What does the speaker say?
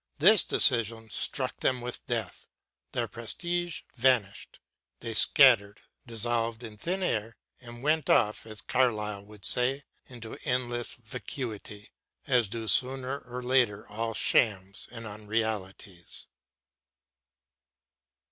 This decision struck them with death. Their prestige vanished. They scattered, dissolved in thin air, and went off, as Carlyle would say, into endless vacuity, as do sooner or later all shams and unrealities.